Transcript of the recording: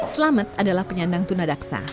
selamat adalah penyandang tunadaksa